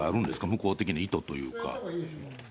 向こう的な意図というか。